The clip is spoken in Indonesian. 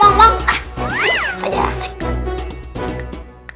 minumnya dimana tadi mas iti